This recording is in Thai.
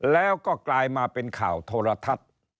แล้วก็กลายมาเป็นข่าวโทรทัศน์